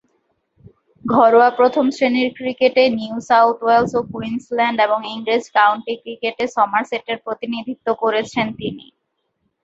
ঘরোয়া প্রথম-শ্রেণীর ক্রিকেটে নিউ সাউথ ওয়েলস ও কুইন্সল্যান্ড এবং ইংরেজ কাউন্টি ক্রিকেটে সমারসেটের প্রতিনিধিত্ব করেছেন তিনি।